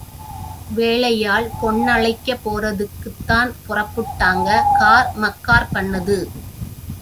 வேலை ஆள் பொண்ணழைக்கப் போரதுக்குத்தான் பொறப்புட்டாங்க, காரு மக்கார்ப்பண்ணுது.